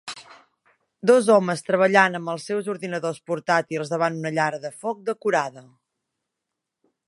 Dos homes treballant amb els seus ordinadors portàtils davant una llar de foc decorada